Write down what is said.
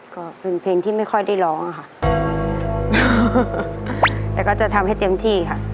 ก็เป็นเพลงที่ไม่ค่อยได้ร้องค่ะแต่ก็จะทำให้เต็มที่ค่ะ